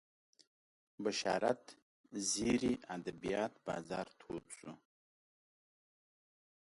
بشارت زیري ادبیات بازار تود شو